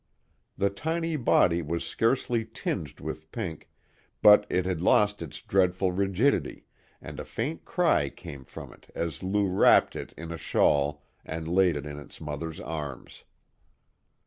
The tiny body was scarcely tinged with pink, but it had lost its dreadful rigidity, and a faint cry came from it as Lou wrapped it in a shawl and laid it in its mother's arms.